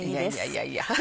いやいや。